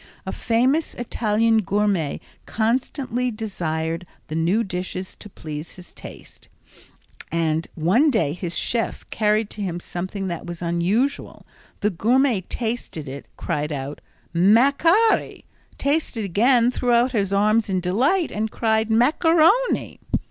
A famous Italian gourmet constantly desired new dishes to please his taste, and one day his chef carried to him something that was unusual. The gourmet tasted it, cried out "macari!" Tasted again, threw out his arms in delight and cried "macaroni!"